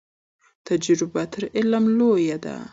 تجربه تر علم لویه ده.